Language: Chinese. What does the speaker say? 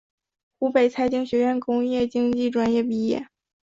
湖北财经学院工业经济专业毕业。